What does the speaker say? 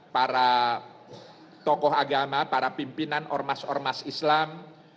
para tokoh agama para pimpinan ormas ormas islam